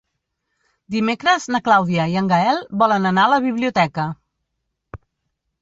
Dimecres na Clàudia i en Gaël volen anar a la biblioteca.